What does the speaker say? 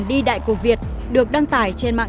đi đại cổ việt được đăng tải trên mạng